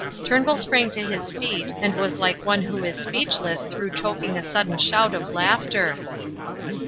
Turnbull sprang to his feet and was like one who is speechless through choking a sudden shout of laughter.